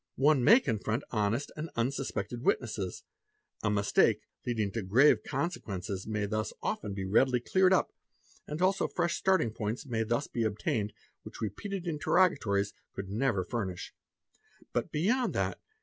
One may confront honest and unsuspected | witnesses ; a mistake leading to grave consequences may thus often be | readily cleared up, and also fresh starting points may thus be obtainec which repeated interrogatories could never furnish. But, beyond that.